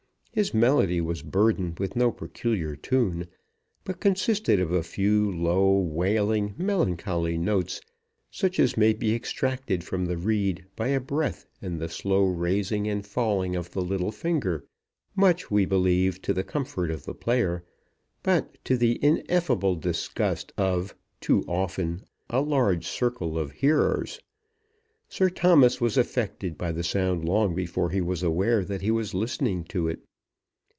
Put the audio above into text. His melody was burdened with no peculiar tune, but consisted of a few low, wailing, melancholy notes, such as may be extracted from the reed by a breath and the slow raising and falling of the little finger, much, we believe, to the comfort of the player, but to the ineffable disgust of, too often, a large circle of hearers. Sir Thomas was affected by the sound long before he was aware that he was listening to it.